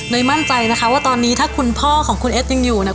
มั่นใจนะคะว่าตอนนี้ถ้าคุณพ่อของคุณเอสยังอยู่เนี่ย